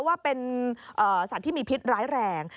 ว่าเป็นสัตว์ที่มีพิษร้ายแรง